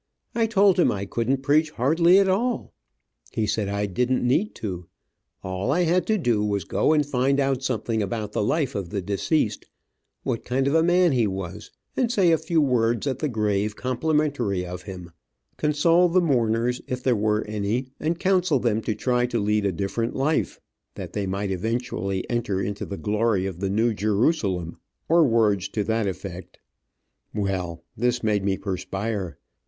I told him I couldn't preach hardly at all. He said I didn't need to. All I had to do was to go and find out something about the life of the deceased, what kind of a man he was, and say a few words at the grave complimentary of him, console the mourners, if there were any, and counsel them to try to lead a different life, that they might eventually enter into the glory of the New Jerusalem, or words to that effect. Well, this made me perspire.